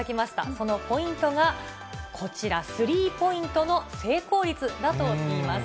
そのポイントがこちら、スリーポイントの成功率だといいます。